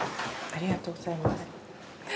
ありがとうございます。